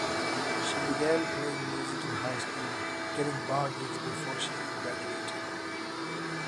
She began playing music in high school, getting bar gigs before she even graduated.